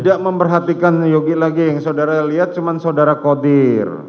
tidak memperhatikan yogi lagi yang saudara lihat cuma saudara kodir